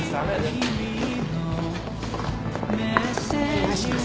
お願いします。